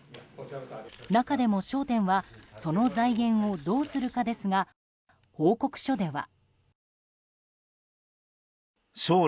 中でも焦点はその財源をどうするかですが報告書では。